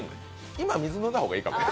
今、水飲んだ方がいいかもね。